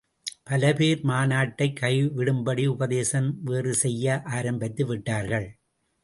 பல பேர் மாநாட்டை கைவிடும்படி உபதேசம் வேறு செய்ய ஆரம்பித்துவிட்டார்கள்.